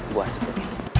gue harus dukungin